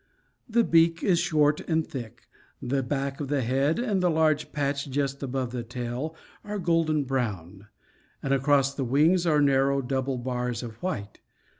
The beak is short and thick; the back of the head and a large patch just above the tail are golden brown; and across the wings are narrow double bars of white.